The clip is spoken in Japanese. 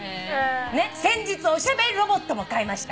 「先日おしゃべりロボットも買いました」